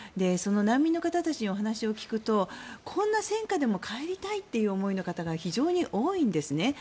その難民の方たちにお話を聞くとこんな戦禍でも帰りたいっていう思いの方が非常に多いんですね。